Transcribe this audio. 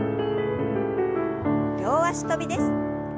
両脚跳びです。